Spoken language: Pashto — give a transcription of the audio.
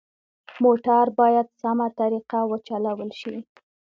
موټر باید سمه طریقه وچلول شي.